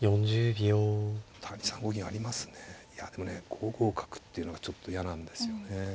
５五角っていうのがちょっと嫌なんですよね。